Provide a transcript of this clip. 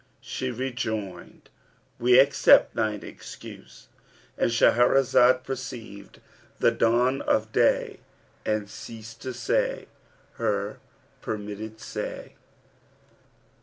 She rejoined, 'We accept thine excuse,' —And Shahrazad perceived the dawn of day and ceased to say her permitted say.